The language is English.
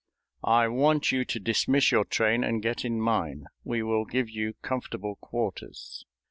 I want you to dismiss your train and get in mine; we will give you comfortable quarters."